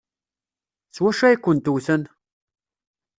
S wacu ay kent-wten?